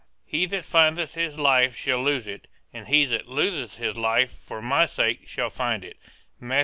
He that findeth his life shall lose it; and he that loseth his life for my sake shall find it Matt.